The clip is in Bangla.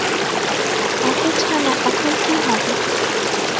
এত ছানা এখন কী হবে?